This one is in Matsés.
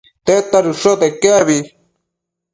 tedta dëshote iquec abi?